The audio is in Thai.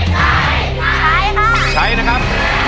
ใช่ค่ะใช่นะครับ